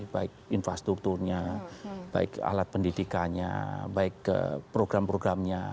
baik infrastrukturnya baik alat pendidikannya baik program programnya